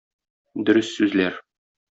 Дөрес сүзләр.